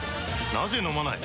なぜ飲まない？